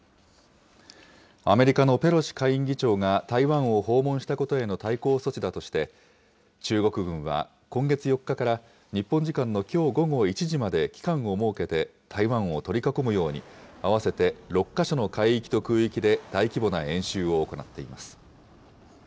アメリカのペロシ下院議長が、台湾を訪問したことへの対抗措置だとして、中国軍は今月４日から、日本時間のきょう午後１時まで期間を設けて、台湾を取り囲むように、合わせて６か所の海域と空域で大規模な演習を行っています。